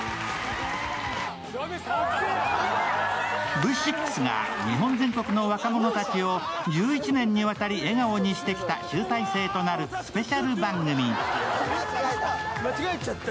Ｖ６が日本全国の若者たちを１１年にわたり笑顔にしてきた集大成となるスペシャル番組。